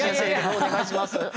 お願いします。